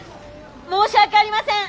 申し訳ありません！